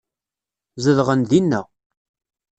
Zedɣen dinna.